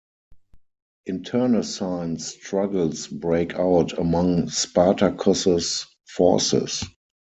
Internecine struggles break out among Spartacus's forces.